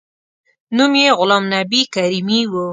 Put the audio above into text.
نوم یې غلام نبي کریمي و.